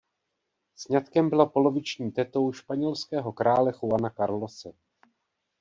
Sňatkem byla poloviční tetou španělského krále Juana Carlose.